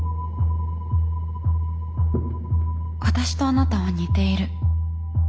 私とあなたは似ている。